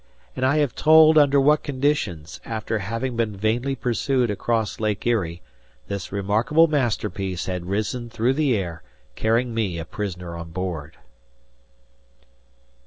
And I have told under what conditions, after having been vainly pursued across Lake Erie, this remarkable masterpiece had risen through the air carrying me a prisoner on board.